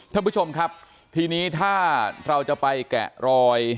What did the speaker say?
ท่านผู้ชมครับทีนี้ถ้าเราจะไปแกะรอย